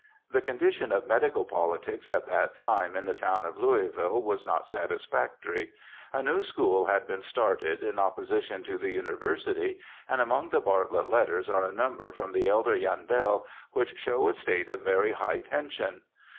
The condition of medical politics at that time in the town of Louisville was not satisfactory; a new school had been started in opposition to the University, and among the Bartlett letters are a number from the elder Yandell which show a state of very high tension.